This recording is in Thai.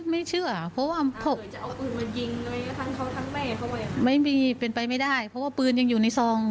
ไม่เชื่อเพราะว่าไม่มีเป็นไปไม่ได้เพราะว่าปืนยังอยู่ในซอง